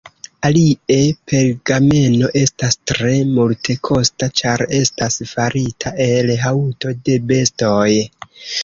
Alie, pergameno estas tre multekosta, ĉar estas farita el haŭto de bestoj.